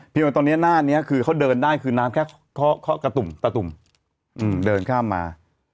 พี่หนุ่มตอนเนี้ยหน้านี้คือเขาเดินได้คือน้ำแค่ข้อกระตุ่มตระตุ่มอืมเดินข้ามมา